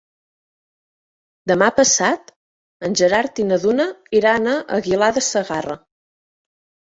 Demà passat en Gerard i na Duna iran a Aguilar de Segarra.